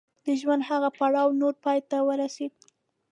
د ژوند هغه پړاو نور پای ته ورسېد.